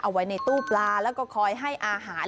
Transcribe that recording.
เอาไว้ในตู้ปลาแล้วก็คอยให้อาหาร